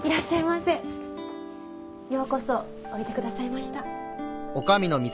ようこそおいでくださいました